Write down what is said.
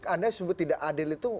anda sebut tidak adil itu